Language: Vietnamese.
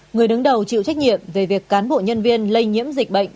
người đứng đầu chịu trách nhiệm về việc cán bộ nhân viên lây nhiễm dịch bệnh